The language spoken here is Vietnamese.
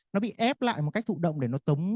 nó bị ép lại một cách thụ động để nó tống